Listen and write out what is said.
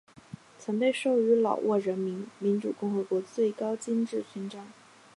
曾被授予老挝人民民主共和国最高金质勋章。